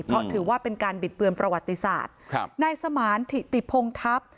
เพราะถือว่าเป็นการบิดเบือนประวัติศาสตร์ครับนายสมานถิติพงทัพ